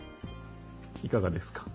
いかがですか？